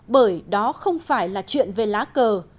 bởi đó không phải là chuyện về lá cờ